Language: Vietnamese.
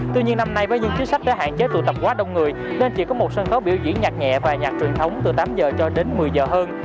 tuy nhiên năm nay với những chính sách đã hạn chế tụ tập quá đông người nên chỉ có một sân khấu biểu diễn nhạc nhẹ và nhạc truyền thống từ tám giờ cho đến một mươi giờ hơn